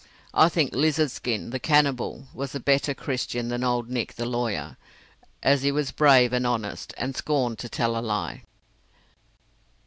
I think Lizard Skin, the cannibal, was a better Christian than old Nick the lawyer, as he was brave and honest, and scorned to tell a lie.